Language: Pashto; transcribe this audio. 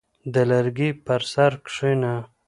• د لرګي پر سر کښېنه.